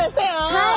はい。